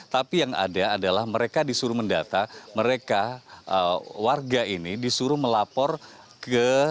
tapi yang ada adalah mereka disuruh mendata mereka warga ini disuruh melapor ke